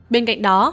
bên cạnh đó